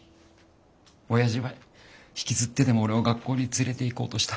親父は引きずってでも俺を学校に連れていこうとした。